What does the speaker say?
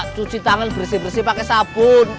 cuci tangan bersih bersih pakai sabun